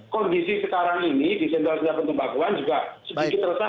kondisi sekarang ini di jendela jendela pengembangkuan juga sedikit resah